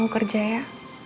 aku kerja ya